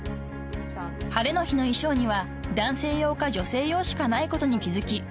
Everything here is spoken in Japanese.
［晴れの日の衣装には男性用か女性用しかないことに気付き